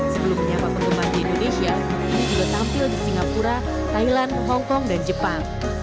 sebelum menyapa penggemar di indonesia ini juga tampil di singapura thailand hongkong dan jepang